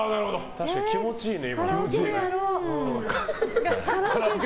確かに気持ちいいね。